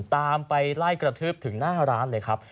ตามไปไล่กระทืบถึงหน้าร้านเลยครับ